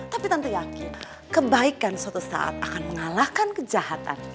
tapi tante yakin kebaikan suatu saat akan mengalahkan kejahatan